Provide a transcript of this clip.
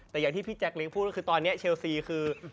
แต่อย่างที่พี่แจ๊คลองพูดก็คือตอนนี้เชลซีคือ